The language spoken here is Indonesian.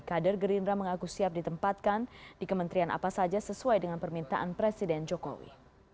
kader gerindra mengaku siap ditempatkan di kementerian apa saja sesuai dengan permintaan presiden jokowi